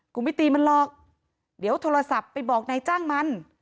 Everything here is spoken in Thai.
กูไม่ตีมันหรอกเดี๋ยวโทรศัพท์ไปบอกนายจ้างมัน